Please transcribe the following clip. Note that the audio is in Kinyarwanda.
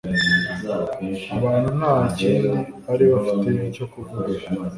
abantu nta kindi bari bafite cyo kuvuga